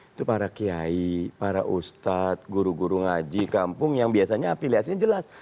itu para kiai para ustadz guru guru ngaji kampung yang biasanya afiliasinya jelas